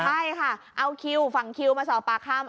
ใช่ค่ะเอาคิวฝั่งคิวมาสอบปากคำ